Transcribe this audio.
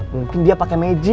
mungkin dia pakai magic